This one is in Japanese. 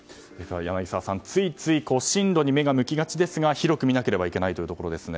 柳澤さん、ついつい進路に目が向きがちですが広く見なければいけないということですね。